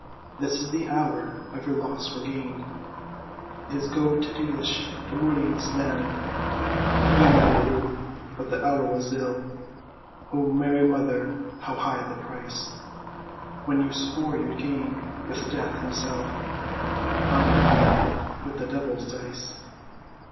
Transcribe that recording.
This is the hour of your loss or gain: Is go d tigheadh do, mhûirnín slan! Banagher Rhue, but the hour was ill (O Mary Mother, how high the price!) When you swore you'd game with Death himself; Aye, and win with the devil's dice.